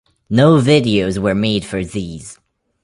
No videos were made for these.